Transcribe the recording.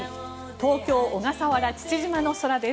東京小笠原・父島の空です。